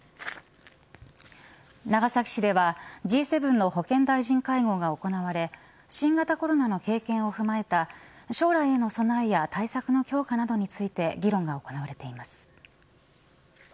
長崎市ではＧ７の保健大臣会合が行われ新型コロナの経験を踏まえた将来への備えや対策の強化などについて議論が行われています。